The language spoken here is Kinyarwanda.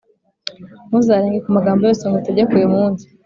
Ntuzarenge ku magambo yose ngutegeka uyu munsi,